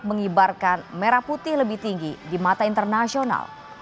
mengibarkan merah putih lebih tinggi di mata internasional